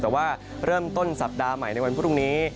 แต่ว่าเริ่มต้นสัปดาห์ใหม่ในวันพรุ่งนี้